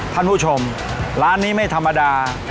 ท่านผู้ชมร้านนี้ไม่ธรรมดา